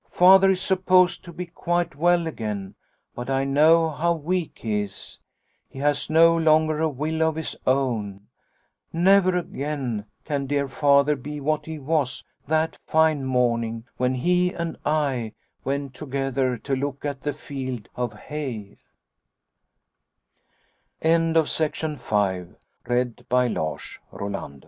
Father is supposed to be quite well again, but I know how weak he is. He has no longer a will of his own. Never again can dear Father be what he was that fine morning when he and I went together to look at the field of CHAPTER V TH